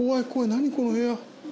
何この部屋。